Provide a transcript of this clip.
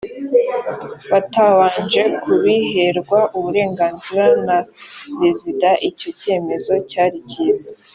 batabanje kubiherwa uburenganzira na rezida icyo kemezo cyari kiza